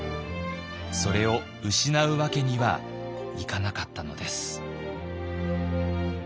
それを失うわけにはいかなかったのです。